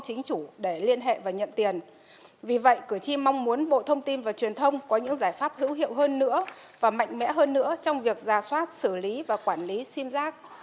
chính chủ vậy cử tri mong muốn bộ thông tin và truyền thông có những giải pháp hữu hiệu hơn nữa và mạnh mẽ hơn nữa trong việc giả soát xử lý và quản lý sim giác